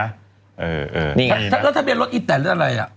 เออนี่นะงั้นน่ะแล้วทะเบียนรถอีแต่ละอะไรอ่ะ